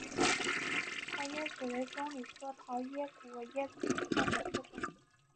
桃椰子为棕榈科桃果椰子属下的一个种。